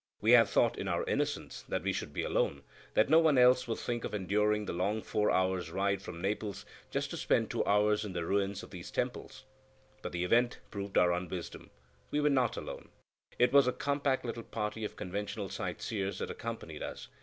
We had thought, in our innocence, that we should be alone, that no one else would think of enduring the long four hours' ride from Naples just to spend two hours in the ruins of these temples; but the event proved our unwisdom. We were not alone. It was a compact little party of conventional sight seers that accompanied us.